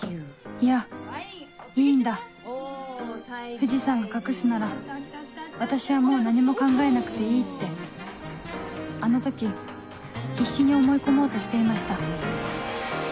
いやいいんだ藤さんが隠すなら私はもう何も考えなくていいってあの時必死に思い込もうとしていました